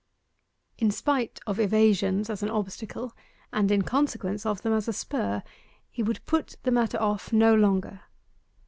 In spite of evasions as an obstacle, and in consequence of them as a spur, he would put the matter off no longer.